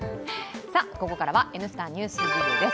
ここからす「Ｎスタ・ＮＥＷＳＤＩＧ」です。